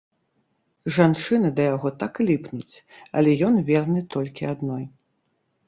Жанчыны да яго так і ліпнуць, але ён верны толькі адной.